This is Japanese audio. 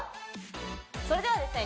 それではですね